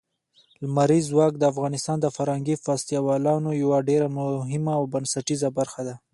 لمریز ځواک د افغانستان د فرهنګي فستیوالونو یوه ډېره مهمه او بنسټیزه برخه ده.